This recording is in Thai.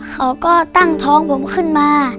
เขาก็ตั้งท้องผมขึ้นมา